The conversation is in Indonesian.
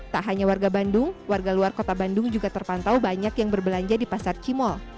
tak hanya warga bandung warga luar kota bandung juga terpantau banyak yang berbelanja di pasar cimol